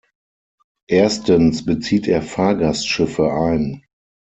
Erstens bezieht er Fahrgastschiffe ein.